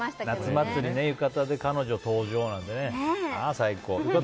夏祭り浴衣で彼女登場なんかね。